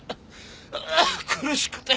苦しくて。